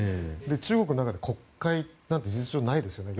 中国の中で国会なんて事実上ないですよね。